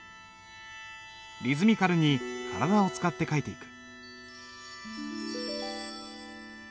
リズミカルに体を使って書いていく。